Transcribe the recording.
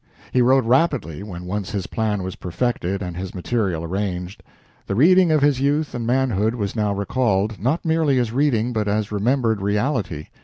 He wrote rapidly when once his plan was perfected and his material arranged. The reading of his youth and manhood was now recalled, not merely as reading, but as remembered reality.